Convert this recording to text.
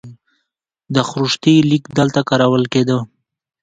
د خروشتي لیک دلته کارول کیده